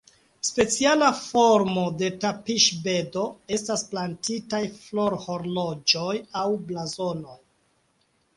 Speciala formo de tapiŝbedo estas plantitaj florhorloĝoj aŭ blazonoj.